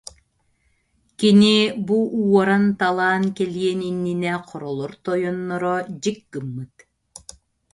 Кини бу уоран-талаан кэлиэн иннинэ хоролор тойонноро дьик гыммыт